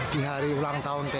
di hari ulang tahun tni